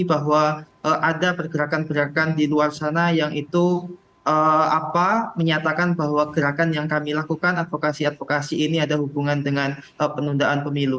dan ada pergerakan pergerakan di luar sana yang itu apa menyatakan bahwa gerakan yang kami lakukan advokasi advokasi ini ada hubungan dengan penundaan pemilu